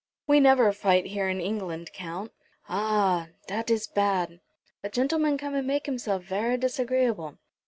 "We never fight here in England, Count." "Ah! dat is bad. A gentleman come and make himself vera disagreeable.